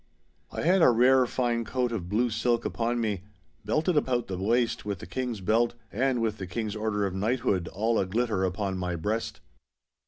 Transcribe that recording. I had a rare fine coat of blue silk upon me, belted about the waist with the King's belt, and with the King's order of knighthood all a glitter upon my breast.